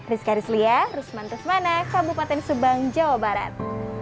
rizka rizlia rizman rizmana kabupaten subang jawa barat